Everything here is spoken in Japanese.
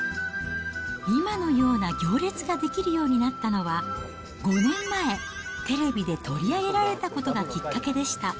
今のような行列が出来るようになったのは、５年前、テレビで取り上げられたことがきっかけでした。